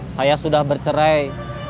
saya sudah bercerai